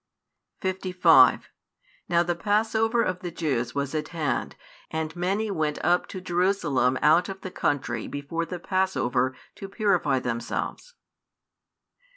55 Now the passover of the Jews was at hand: and many went up to Jerusalem out of the country before the passover to purify themselves.